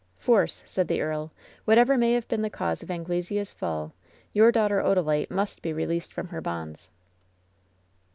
"Force," said the earl, "whatever may have been the cause of Anglesea's fall, your daughter Odalit© must fee released from her bonds."